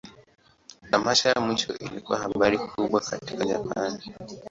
Tamasha ya mwisho ilikuwa habari kubwa katika Japan.